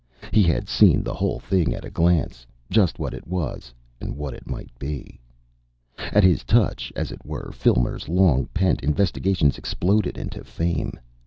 He had seen the whole thing at a glance, just what it was and what it might be. At his touch, as it were, Filmer's long pent investigations exploded into fame.